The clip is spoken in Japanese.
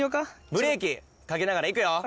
ブレーキかけながら行くよ。